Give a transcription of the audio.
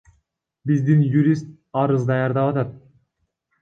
Биздин юрист арыз даярдап атат.